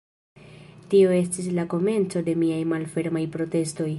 Tio estis la komenco de miaj malfermaj protestoj.